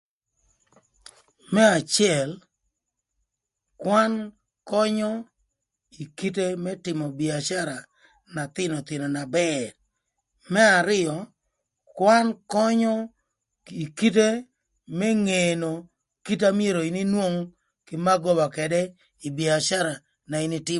Më acël kwan könyö ï kite më tïmö bïacara na thïthïnö na bër. Më arïö kwan könyö ï kite më ngeno kite na myero in inwong kï magoba ködë ï bïacara na in ïtïmö.